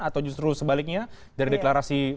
atau justru sebaliknya dari deklarasi